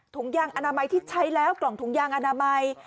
ถุงยางอนามัยที่ใช้แล้วกล่องถุงยางอนามัย